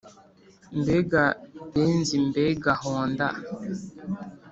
mbega benzi mbega honda